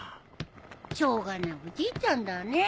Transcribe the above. しょうがないおじいちゃんだね。